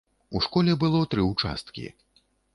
У школе было тры ўчасткі.